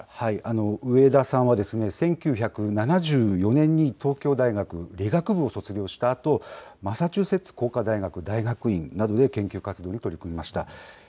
植田さんは、１９７４年に東京大学理学部を卒業したあと、マサチューセッツ工科大学大学院などで研究活動に取り組みました。